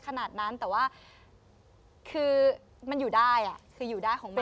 ขนาดนั้นแต่ว่าคือมันอยู่ได้คืออยู่ได้ของมัน